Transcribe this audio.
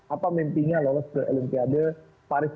apa mimpinya lolos ke olimpiade paris dua ribu dua puluh empat